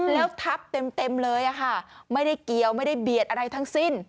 แล้วทับเต็มเลยค่ะไม่ได้เกี่ยวไม่ได้เบียดอะไรทั้งสิ้น